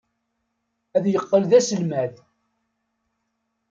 Ad yeqqel d aselmad.